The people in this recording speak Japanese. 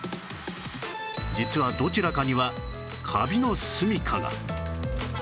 実はどちらかにはカビのすみかが